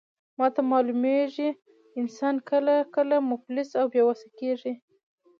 ماته معلومیږي، انسان کله کله مفلس او بې وسه کیږي.